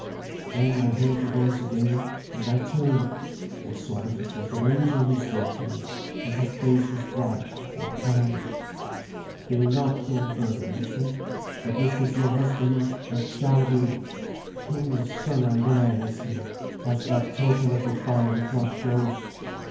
"Then I heard the voice again, and I turned, and saw that it was an angel who spoke to me, and his face was bright and kind. "'Fear not, Goldberga,' he said, 'for this is your husband that shall be. King's son and heir is he, as that token of the fiery cross shows.